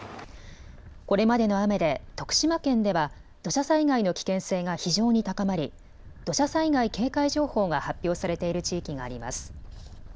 これまでの雨で徳島県では土砂災害の危険性が非常に高まり土砂災害警戒情報が発表されている地域があります。